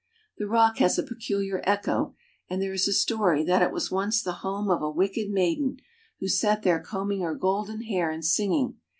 The rock has a peculiar echo, and there is a story 242 GERMANY. that it was once the home of a wicked maiden, who sat there combing her golden hair and singing.